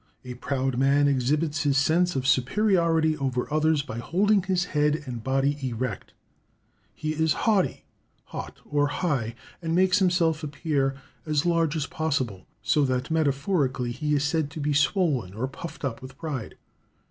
A proud man exhibits his sense of superiority over others by holding his head and body erect. He is haughty (haut), or high, and makes himself appear as large as possible; so that metaphorically he is said to be swollen or puffed up with pride.